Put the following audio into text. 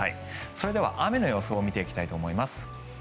それでは雨の予想を見ていきたいと思います。